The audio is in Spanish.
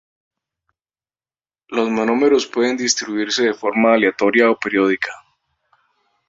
Los monómeros pueden distribuirse de forma aleatoria o periódica.